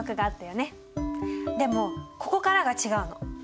でもここからが違うの。